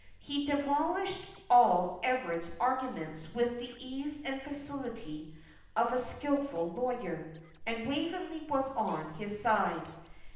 He demolished all Everard's arguments with the ease and facility of a skilful lawyer; and Waveney was on his side.